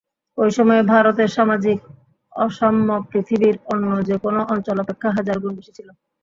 ঐসময়ে ভারতে সামাজিক অসাম্য পৃথিবীর অন্য যে-কোন অঞ্চল অপেক্ষা হাজার গুণ বেশী ছিল।